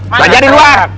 belanja di luar